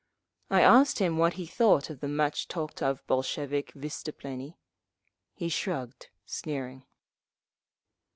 I asked him what he thought of the much talked of Bolshevik vystuplennie. He shrugged, sneering.